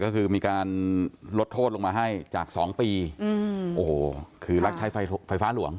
ก็คือมีการลดโทษลงมาให้จาก๒ปีโอ้โหคือรักใช้ไฟฟ้าหลวง